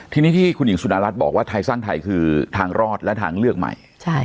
ทีนี้ที่คุณหญิงสุดารัฐบอกว่าไทยสร้างไทยคือทางรอดและทางเลือกใหม่